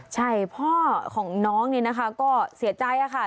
ใช่พ่อของน้องนี่นะคะก็เสียใจค่ะ